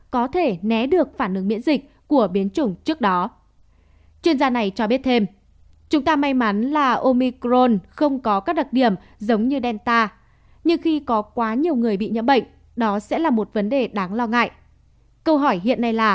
có thể né được phản ứng miễn dịch